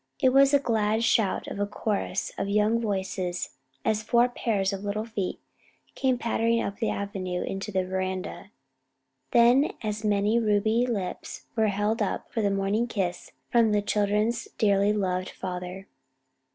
It was a glad shout of a chorus of young voices as four pairs of little feet came pattering up the avenue and into the veranda; then as many ruby lips were held up for the morning kiss from the children's dearly loved father.